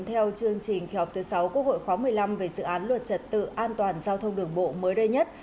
theo chương trình kỳ họp thứ sáu quốc hội khóa một mươi năm về dự án luật trật tự an toàn giao thông đường bộ mới đây nhất